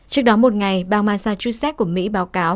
trước đó một ngày bang mazachusett của mỹ báo cáo